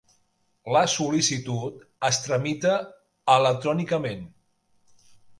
La sol·licitud es tramita electrònicament.